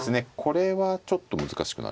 これはちょっと難しくなりましたね。